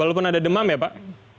walaupun ada demam ya pak